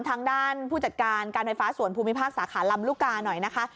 ทางด้านผู้จัดการการไฟฟ้าส่วนภูมิภาคสาขาลำลูกกาหน่อยนะคะ